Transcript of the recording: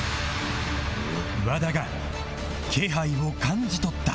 和田が気配を感じ取った